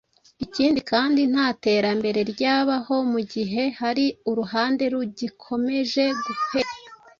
Ikindi kandi nta terambere ryabaho mu gihe hari uruhande rugikomeje guhezwa.